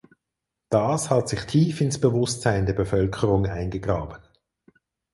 Das hat sich tief ins Bewusstsein der Bevölkerung eingegraben.